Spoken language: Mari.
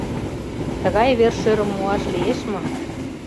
Тыгай вер-шӧрым муаш лиеш мо?..